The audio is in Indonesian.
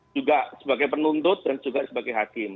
juga sebagai penuntut dan juga sebagai hakim